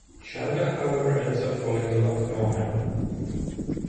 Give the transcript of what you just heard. Chanda however ends ups falling in love with Mohan.